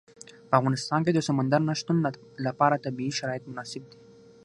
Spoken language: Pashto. په افغانستان کې د سمندر نه شتون لپاره طبیعي شرایط مناسب دي.